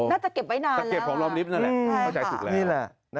น่าจะเก็บไว้นานแล้วล่ะใช่ค่ะนี่แหละน่าจะเก็บของรอบริฟต์นั่นแหละ